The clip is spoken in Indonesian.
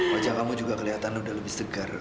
wajah kamu juga kelihatan sudah lebih segar kamila